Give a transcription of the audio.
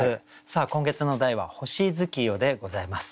さあ今月の題は「星月夜」でございます。